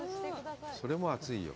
それも熱いよ。